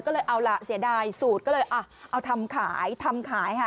ก็เลยเอาล่ะเสียดายสูตรก็เลยอ่ะเอาทำขายทำขายค่ะ